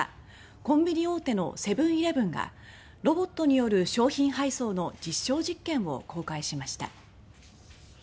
コンビニ大手のセブン−イレブンがロボットによる商品配送の実証実験を公開しました。